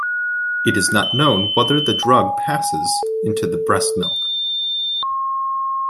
It is not known whether the drug passes into the breast milk.